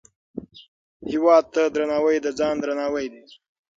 هیواد ته درناوی، د ځان درناوی دی